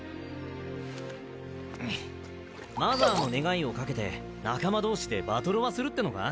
マザーの願いを懸けて仲間同士でバトロワするってのか？